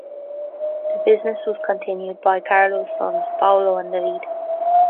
The business was continued by Carlo's sons Paolo and Davide.